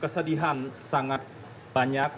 kesedihan sangat banyak